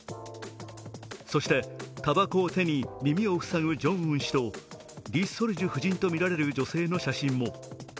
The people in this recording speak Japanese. そして、たばこを手に、耳を塞ぐジョンウン氏とリ・ソルジュ夫人とみられる女性の写真も。